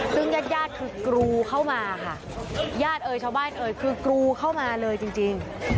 ซึ่งยาดคือกรูเข้ามาค่ะยาดเอ๋ยชาวบ้านเอ๋ยคือกรูเข้ามาเลยจริง